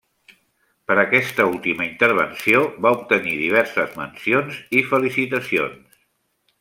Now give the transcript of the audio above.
Per aquesta última intervenció, va obtenir diverses mencions i felicitacions.